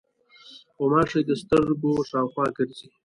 غوماشې د سترګو شاوخوا ګرځي.